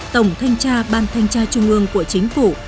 tổng thanh tra ban thanh tra trung ương của chính phủ